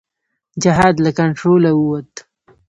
جهاد له کنټروله ووت.